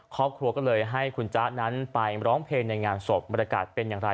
ครอบครัวก็เลยให้คุณจ๊ะนั้นไปร้องเพลงในงานศพบรรยากาศเป็นอย่างไร